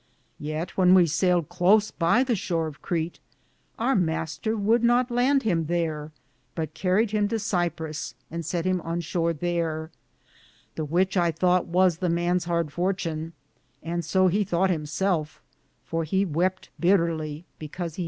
Yeat when we sayled cloce by the shore of Candie, our Mr. would not land him thare, but carried him to Siprus, and sett him on shore thare ; the which I thought was the man's hard fortun, and so he thoughte himselfe, for he wepte bitterly, because he had ^ Cassos and Carpathos.